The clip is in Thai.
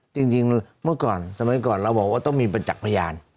จริงเมื่อก่อนสมัยก่อนเราบอกว่าต้องมีประจักษ์พยาน